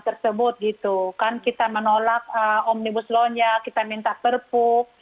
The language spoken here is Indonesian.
tersebut gitu kan kita menolak omnibus law nya kita minta perpu